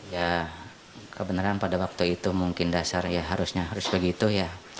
ya kebeneran pada waktu itu mungkin dasarnya harusnya harus begitu ya